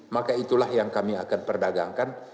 maka itulah yang kami akan perdagangkan